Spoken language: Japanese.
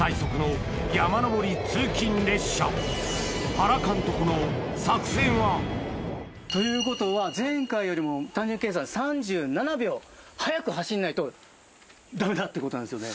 しかし相手はということは前回よりも単純計算３７秒早く走んないとダメだってことなんですよね。